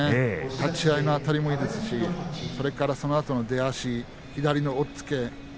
立ち合いのあたりもよかったですし、そのあとの出足と左の押っつけ。